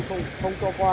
sao lại không cho qua